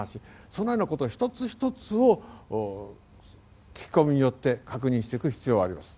そのようなこと１つ１つを聞き込みによって確認していく必要があります。